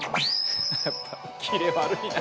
やっぱキレ悪いな。